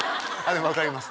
でも分かります